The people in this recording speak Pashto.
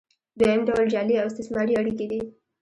دویم ډول جعلي او استثماري اړیکې دي.